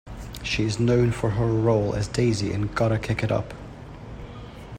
She is known for her role as Daisy in Gotta Kick It Up!